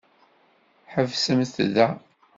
Ḥebsemt da.